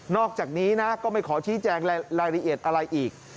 อกจากนี้นะก็ไม่ขอชี้แจงรายละเอียดอะไรอีก